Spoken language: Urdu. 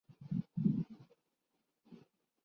نیو یارک بروکلین کے میکسویل آرڈی ووز